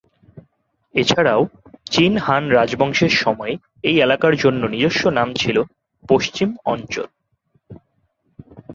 এছাড়াও, চীন হান রাজবংশের সময়ে এই এলাকার জন্য নিজস্ব নাম ছিল "পশ্চিম অঞ্চল"।